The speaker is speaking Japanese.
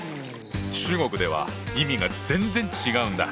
中国では意味が全然違うんだ。